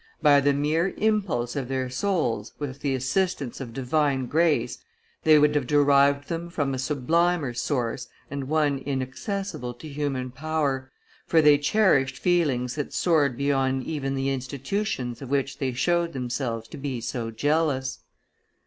By the mere impulse of their souls, with the assistance of divine grace, they would have derived them from a sublimer source and one inaccessible to human power, for they cherished feelings that soared beyond even the institutions of which they showed themselves to be so jealous.